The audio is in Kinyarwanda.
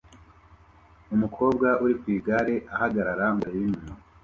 Umukobwa uri ku igare arahagarara ngo arebe inyuma